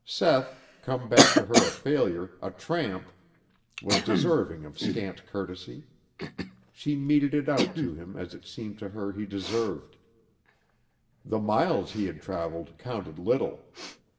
Seth, come back to her a failure, a tramp, was deserving of scant courtesy. She meted it out to him as it seemed to her he deserved. The miles he had travelled counted little.